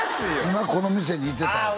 今この店にいてたああ